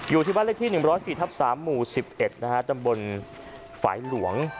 อยู่ที่บ้านเลขที่หนึ่งร้อยสี่ทับสามหมู่สิบเอ็ดนะฮะตำบลฝ่ายหลวง